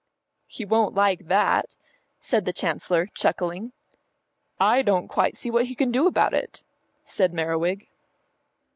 "He won't like that," said the Chancellor, chuckling. "I don't quite see what he can do about it," said Merriwig.